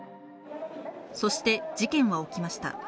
そして、事件は起きました。